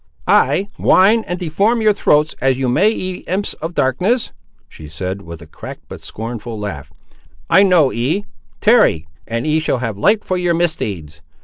"Ay, whine and deform your throats as you may, ye imps of darkness," she said, with a cracked but scornful laugh; "I know ye; tarry, and ye shall have light for your misdeeds.